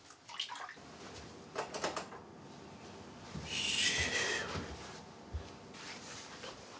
よし。